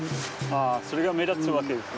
あそれが目立つわけですね。